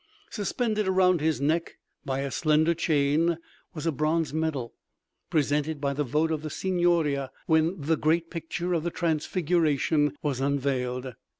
Suspended around his neck by a slender chain was a bronze medal, presented by vote of the Signoria when the great picture of "The Transfiguration" was unveiled.